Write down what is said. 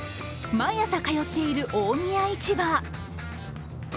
毎朝通っている大宮市場。